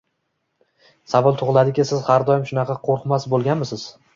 — Savol tugʻiladiki, siz har doim shunaqa qoʻrqmas boʻlganmisiz?